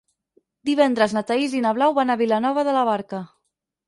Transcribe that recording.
Divendres na Thaís i na Blau van a Vilanova de la Barca.